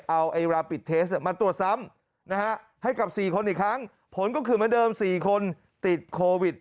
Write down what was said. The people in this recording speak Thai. เอาไอราปิดเทสมาตรวจซ้ำให้กับ๔คนอีกครั้งผลก็คือเหมือนเดิม๔คนติดโควิด